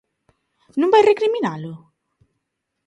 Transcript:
¿Non vai recriminalo?